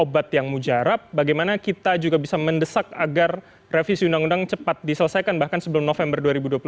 bagaimana kita bisa juga mendesak agar revisi undang undang cepat diselesaikan bahkan sebelum november dua ribu dua puluh tiga